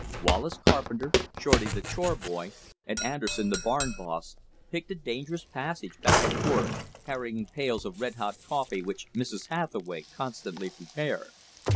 Wallace Carpenter, Shorty, the chore boy, and Anderson, the barn boss, picked a dangerous passage back and forth carrying pails of red hot coffee which Mrs. Hathaway constantly prepared.